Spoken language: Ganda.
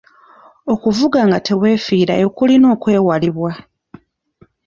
Okuvuga nga teweefiirayo kulina okwewalibwa.